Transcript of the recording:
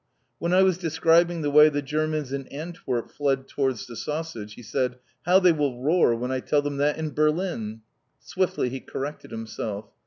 When I was describing the way the Germans in Antwerp fled towards the sausage, he said, "How they will roar when I tell them that in Berlin!" Swiftly he corrected himself.